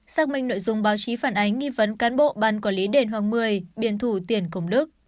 xác minh nội dung báo chí phản ánh nghi vấn cán bộ ban quản lý đền hoàng mười biển thủ tiền công đức